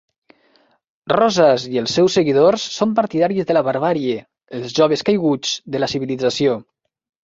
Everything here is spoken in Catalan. Rosas i els seus seguidors són partidaris de la barbàrie, els joves caiguts, de la civilització.